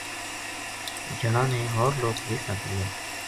جنا نے ہو ر لوک بے سَد لیا